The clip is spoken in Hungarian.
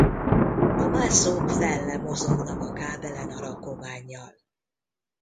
A mászók fel le mozognak a kábelen a rakománnyal.